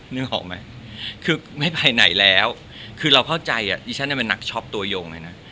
นึกออกไหมคือไม่ไปไหนแล้วคือเราเข้าใจดิฉันเป็นนักช็อปตัวโยงเลยนะ